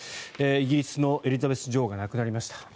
イギリスのエリザベス女王が亡くなりました。